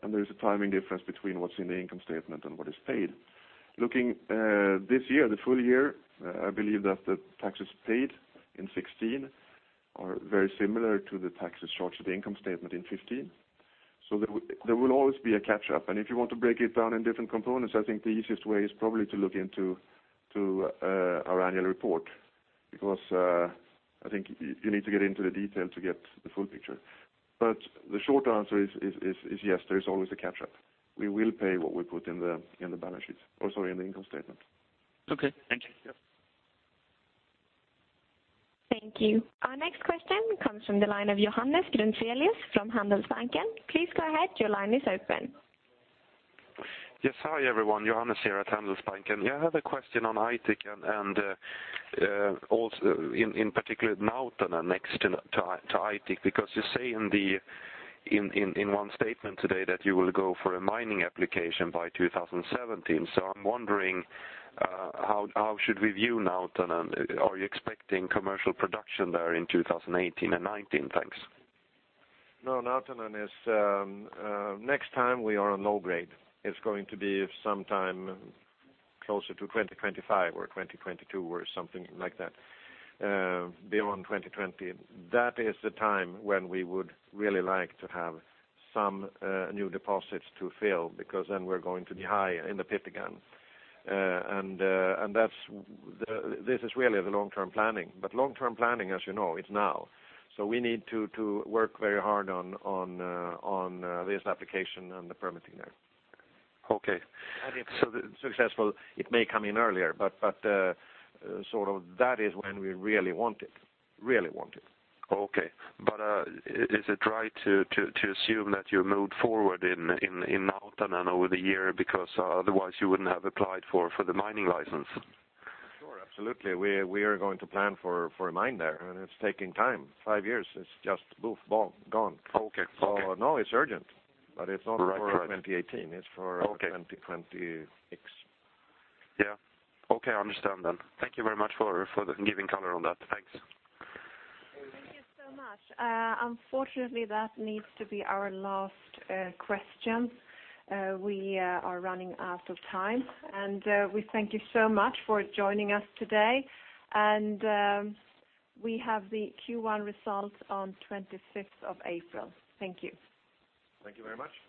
and there is a timing difference between what is in the income statement and what is paid. Looking this year, the full year, I believe that the taxes paid in 2016 are very similar to the taxes charged to the income statement in 2015. There will always be a catch-up, if you want to break it down in different components, I think the easiest way is probably to look into our annual report, because I think you need to get into the detail to get the full picture. The short answer is yes, there is always a catch-up. We will pay what we put in the income statement.
Okay, thank you.
Yeah.
Thank you. Our next question comes from the line of Johannes Grunselius from Handelsbanken. Please go ahead. Your line is open.
Yes, hi, everyone. Johannes here at Handelsbanken. I have a question on Aitik and also in particular Nautanen next to Aitik, because you say in one statement today that you will go for a mining application by 2017. I am wondering how should we view Nautanen? Are you expecting commercial production there in 2018 and 2019? Thanks.
Nautanen is next time we are on low grade. It's going to be sometime closer to 2025 or 2022 or something like that, beyond 2020. That is the time when we would really like to have some new deposits to fill, because then we're going to be high in the pit again. This is really the long-term planning. Long-term planning, as you know, it's now. We need to work very hard on this application and the permitting there.
Okay.
If successful, it may come in earlier, that is when we really want it.
Okay. Is it right to assume that you moved forward in Nautanen over the year because otherwise you wouldn't have applied for the mining license?
Sure, absolutely. We are going to plan for a mine there, it's taking time. five years is just, poof, gone.
Okay.
No, it's urgent. It's not for 2018, it's for 2026.
Yeah. Okay, I understand then. Thank you very much for giving color on that. Thanks.
Thank you so much. Unfortunately, that needs to be our last question. We are running out of time. We thank you so much for joining us today. We have the Q1 results on 25th of April. Thank you.
Thank you very much.